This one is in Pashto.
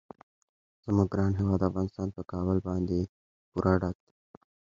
زموږ ګران هیواد افغانستان په کابل باندې پوره ډک دی.